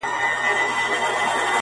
زموږ يقين دئ عالمونه به حيران سي،